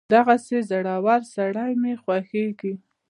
دغسې زړور سړی مې خوښېږي.